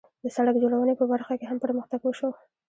د سړک جوړونې په برخه کې هم پرمختګ وشو.